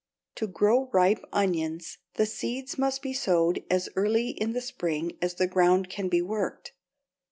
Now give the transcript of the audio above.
To grow ripe onions the seeds must be sowed as early in the spring as the ground can be worked.